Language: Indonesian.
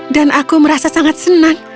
dan aku merasa sangat senang